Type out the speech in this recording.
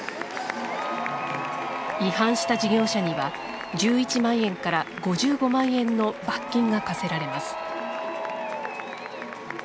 違反した事業者には１１万円から５５万円の罰金が科せられます。